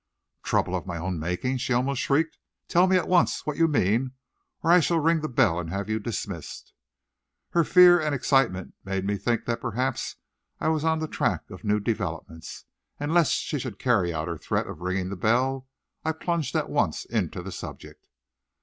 "Trouble of my own making!" she almost shrieked. "Tell me at once what you mean, or I shall ring the bell and have you dismissed." Her fear and excitement made me think that perhaps I was on the track of new developments, and lest she should carry out her threat of ringing the bell, I plunged at once into the subject.